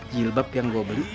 jilbab yang gua beli